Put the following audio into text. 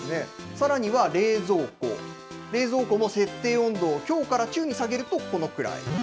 さらには、冷蔵庫、冷蔵庫も設定温度を強から中に下げるとこのくらい。